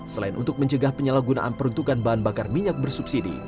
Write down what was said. selain untuk mencegah penyalahgunaan peruntukan bahan bakar minyak bersubsidi